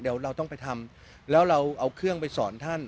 เดี๋ยวเราต้องไปทำแล้วเราเอาเครื่องไปสอนท่าน